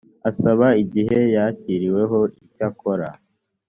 asaba igihe yakiriweho icyakora